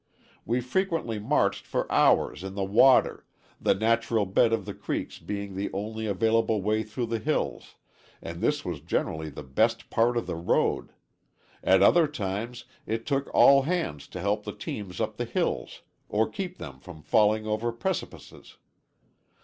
We frequently marched for hours in the water, the natural bed of the creeks being the only available way through the hills, and this was generally the best part of the road; at other times it took all hands to help the teams up the hills, or keep them from falling over precipices.